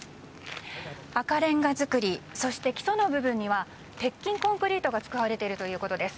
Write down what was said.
赤レンガ造りそして基礎の部分には鉄筋コンクリートが使われているということです。